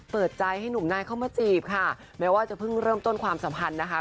เปิดใจให้หนุ่มนายเข้ามาจีบค่ะแม้ว่าจะเพิ่งเริ่มต้นความสัมพันธ์นะคะ